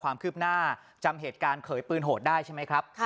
ความคืบหน้าจำเหตุการณ์เขยปืนโหดได้ใช่ไหมครับ